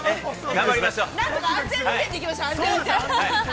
何とか安全運転で行きましょう。